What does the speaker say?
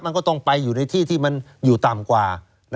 มันก็ต้องไปอยู่ในที่ที่มันอยู่ต่ำกว่า